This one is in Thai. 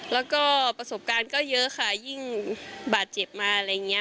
แล้วก็ประสบการณ์ก็เยอะค่ะยิ่งบาดเจ็บมาอะไรอย่างนี้